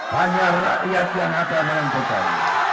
hanya rakyat yang akan menentukan